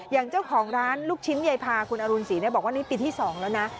อย่างเจ้าของร้านลูกชิ้นยายพาคุณอรุณศรีบอกว่านี่ปีที่๒แล้วนะ